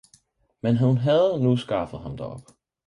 men hun havde nu skaffet ham derop.